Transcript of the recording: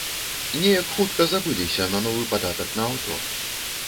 Неяк хутка забыліся на новы падатак на аўто.